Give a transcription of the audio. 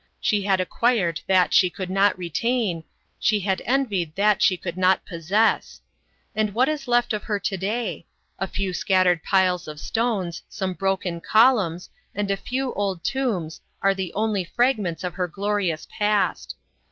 She had acquired that she could not retain, she had envied that, she could not possess. And what is left of her to day? A few scattered piles of stones, some broken columns, and a few old tombs, are the only fragments of her glorious past.